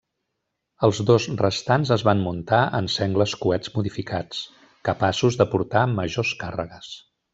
Els dos restants es van muntar en sengles coets modificats, capaços de portar majors càrregues.